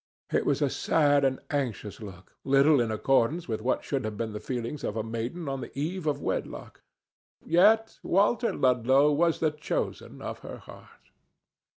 It was a sad and anxious look, little in accordance with what should have been the feelings of a maiden on the eve of wedlock. Yet Walter Ludlow was the chosen of her heart.